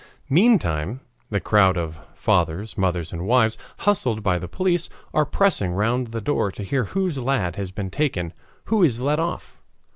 Meantime the crowd of fathers, mothers, and wives, hustled by the police, are pressing round the doors to hear whose lad has been taken, whose is let off.